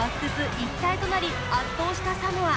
一体となり圧倒したサモア。